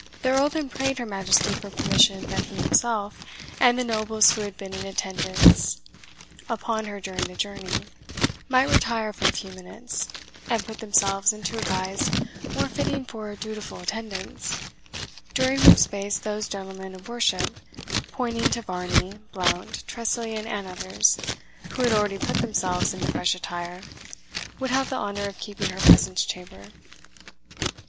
The Earl then prayed her Majesty for permission that he himself, and the nobles who had been in attendance upon her during the journey, might retire for a few minutes, and put themselves into a guise more fitting for dutiful attendance, during which space those gentlemen of worship (pointing to Varney, Blount, Tressilian, and others), who had already put themselves into fresh attire, would have the honour of keeping her presence chamber.